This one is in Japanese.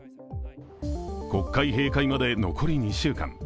国会閉会まで残り２週間。